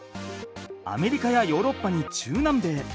アメリカやヨーロッパに中南米。